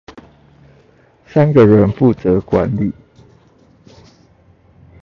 三個人負責管理